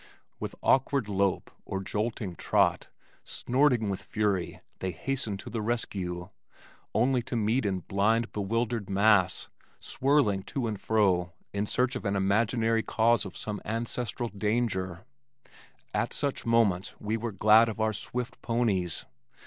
With awkward lope or jolting trot, snorting with fury they hastened to the rescue, only to meet in blind bewildered mass, swirling to and fro in search of an imaginary cause of some ancestral danger. At such moments we were glad of our swift ponies.